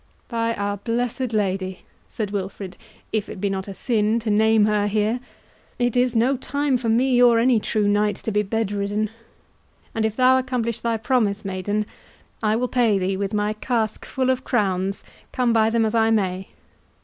"By Our Blessed Lady," said Wilfred, "if it be not a sin to name her here, it is no time for me or any true knight to be bedridden; and if thou accomplish thy promise, maiden, I will pay thee with my casque full of crowns, come by them as I may."